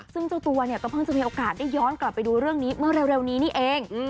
ซึ่งเจ้าตัวเนี่ยก็เพิ่งจะมีโอกาสได้ย้อนกลับไปดูเรื่องนี้เมื่อเร็วนี้นี่เอง